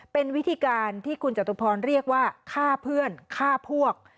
เป็นวิธีการที่คุณจตุพรเรียกว่าฆ่าเพื่อนฆ่าพวก